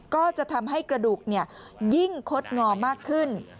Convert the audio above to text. ก็จะทำให้กระดูกยิ่งคดงอมากขึ้น